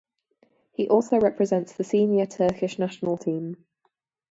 He also represents the senior Turkish national team.